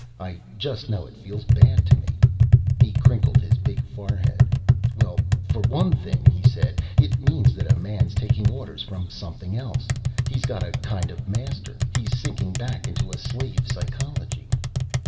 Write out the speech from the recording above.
"I just know it feels bad to me." He crinkled his big forehead. "Well for one thing," he said, "it means that a man's taking orders from something else. He's got a kind of master. He's sinking back into a slave psychology."